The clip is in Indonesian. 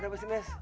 ada apa sih nes